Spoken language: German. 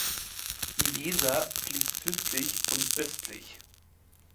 Die Weser fließt südlich und östlich.